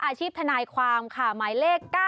อาชีพทนายความค่ะหมายเลข๙๔๒๓๖๖ค่ะ